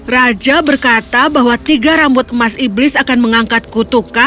raja berkata bahwa tiga rambut emas iblis akan mengangkatku